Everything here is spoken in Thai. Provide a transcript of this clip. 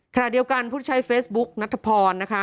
ขณะเดียวกันผู้ใช้เฟซบุ๊กนัทพรนะคะ